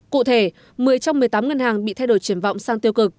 cụ thể một mươi trong một mươi tám ngân hàng bị thay đổi triển vọng sang tiêu cực